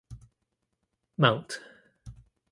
Mt.